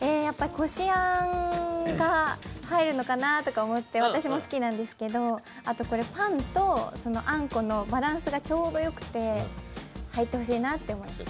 こしあんが入るのかなと思って、私も好きなんですけどあとパンとあんこのバランスがちょうどよくて入ってほしいなと思います。